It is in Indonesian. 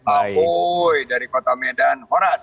aku dari kota medan horas